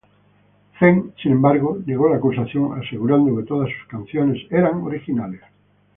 Zeng sin embargo negó la acusación, asegurando que todas sus canciones eran originales.